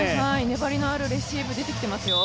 粘りのあるレシーブ出てきていますよ。